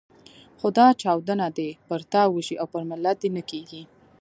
خو دا چاودنه دې پر تا وشي او پر ملت دې نه کېږي.